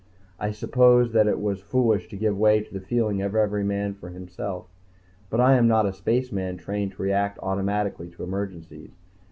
I suppose that it was foolish to give way to the feeling of every man for himself but I am not a spaceman trained to react automatically to emergencies.